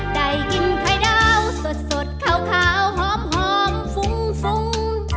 ได้กินไข่ดาวสดขาวหอมฟุ้งฟุ้ง